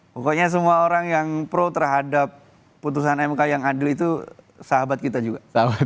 pokoknya semua orang yang pro terhadap putusan mk yang adil itu sahabat kita juga